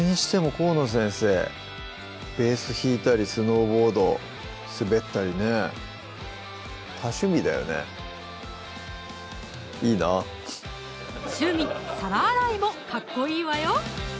河野先生ベース弾いたりスノーボード滑ったりね多趣味だよねいいな趣味・皿洗いもかっこいいわよ！